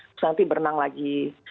terus nanti berenang lagi